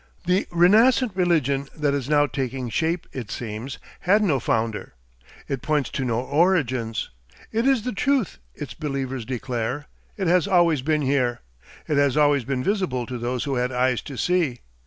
The renascent religion that is now taking shape, it seems, had no founder; it points to no origins. It is the Truth, its believers declare; it has always been here; it has always been visible to those who had eyes to see.